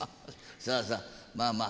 さあさあまあまあ